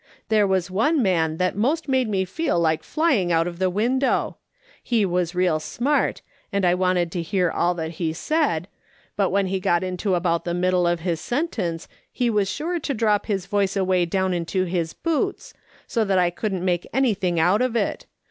There was one man that most made me feel like flying out of the window. He was real smart, and I wanted to hear all he said, but when he got into about the middle of his sentence he was sure to drop his voice away down into his boots, so that I couldn't make anything out of it.